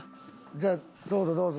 じゃあどうぞどうぞ。